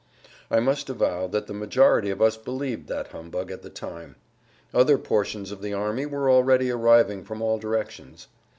I must avow that the majority of us believed that humbug at the time. Other portions of the army were already arriving from all directions.